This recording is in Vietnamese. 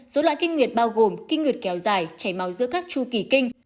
dấu loạn kinh nguyệt bao gồm kinh nguyệt kéo dài chảy máu giữa các chu kỳ kinh